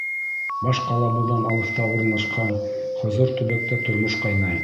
Баш ҡалабыҙҙан алыҫта урынлашҡан хозур төбәктә тормош ҡайнай.